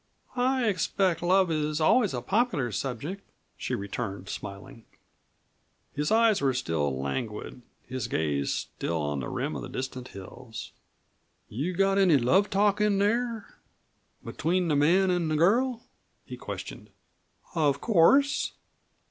"I expect love is always a popular subject," she returned smiling. His eyes were still languid, his gaze still on the rim of distant hills. "You got any love talk in there between the man an' the girl?" he questioned. "Of course."